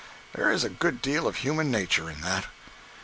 There is a good deal of human nature in that.